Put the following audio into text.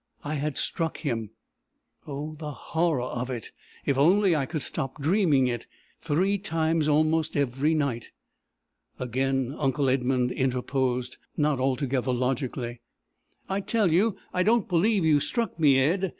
I had struck him! Oh, the horror of it! If only I could stop dreaming it three times almost every night!" Again uncle Edmund interposed not altogether logically: "I tell you, I don't believe you struck me, Ed!